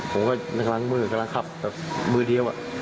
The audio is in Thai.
ผมก็กำลังมือกำลังขับมือเดียว